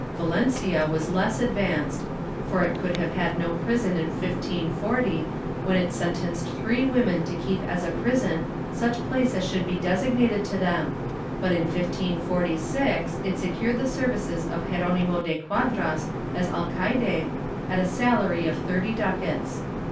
Valencia was less advanced, for it could have had no prison in 1540, when it sentenced three women to keep as a prison such place as should be designated to them, but in 1546 it secured the services of Geronimo de Quadras as alcaide, at a salary of thirty ducats.